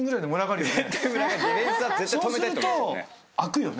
ディフェンスは絶対止めたいって思いますよね。